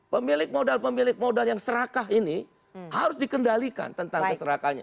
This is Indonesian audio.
pemilik modal pemilik modal yang serakah ini harus dikendalikan tentang keserakannya